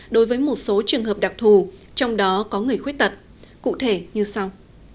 đối với một số trường hợp đặc thù trong đó có người khuyết tật cụ thể như sau